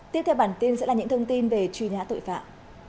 tiếp theo bản tin sẽ là những thông tin về truy nã tội phạm